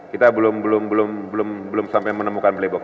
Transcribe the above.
kita belum sampai menemukan black box